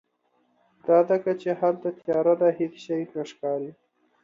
دا ځکه چې هلته تیاره ده، هیڅ شی نه ښکاری